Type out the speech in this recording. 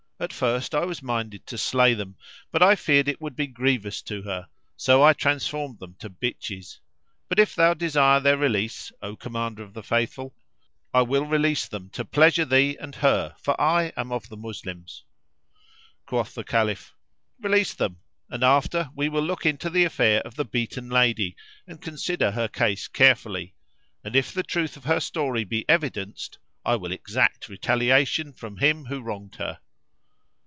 At first I was minded to slay them, but I feared it would be grievous to her, so I transformed them to bitches; but if thou desire their release, O Commander of the Faithful, I will release them to pleasure thee and her for I am of the Moslems." Quoth the Caliph, "Release them and after we will look into the affair of the beaten lady and consider her case carefully; and if the truth of her story be evidenced I will exact retaliation[FN#352] from him who wronged her."